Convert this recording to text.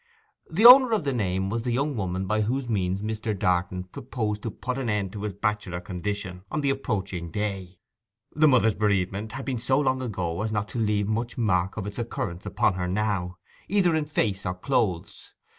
The owner of the name was the young woman by whose means Mr. Darton proposed to put an end to his bachelor condition on the approaching day. The mother's bereavement had been so long ago as not to leave much mark of its occurrence upon her now, either in face or clothes.